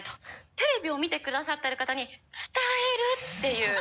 テレビを見てくださってる方に伝えるっていう。